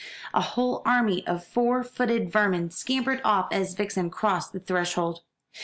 A whole army of four footed vermin scampered off as Vixen crossed the threshold.